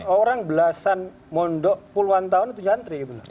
orang belasan mondok puluhan tahun itu jantri